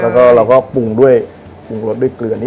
แล้วก็เราก็ปรุงด้วยปรุงรสด้วยเกลือนี้